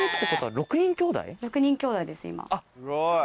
６人きょうだいです今。